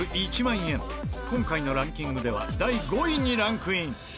今回のランキングでは第５位にランクイン。